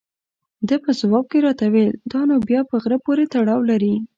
ده په ځواب کې راته وویل: دا نو بیا په غره پورې تړاو لري.